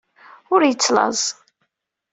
Ur yettlaẓ.